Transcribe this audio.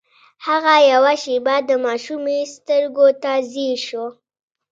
هغه يوه شېبه د ماشومې سترګو ته ځير شو.